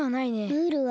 ムールは？